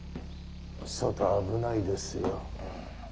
外危ないですよ。